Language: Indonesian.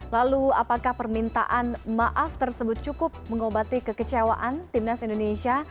lalu apakah permintaan maaf tersebut cukup mengobati kekecewaan timnas indonesia